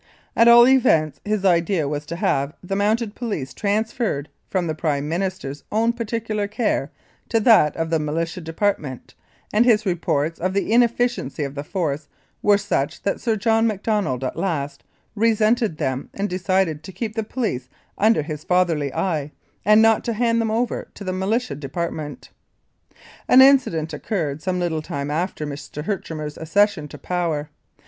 At all events, his idea was to have the Mounted Police transferred from the Prime Minister's own particular care to that of the Militia Department, and his reports of the inefficiency of the Force were such that Sir John Macdonald at last resented them and de cided to keep the police under his fatherly eye, and not to hand them over to the Militia Department. An incident occurred some little time after Mr. Herchmer's accession to power.